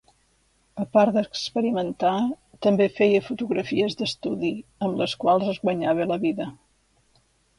A part d'experimentar, també feia fotografies d'estudi, amb les quals es guanyava la vida.